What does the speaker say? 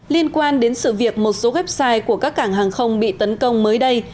liên quan đến sự việc một số website của các cảng hàng không bị tấn công mới đây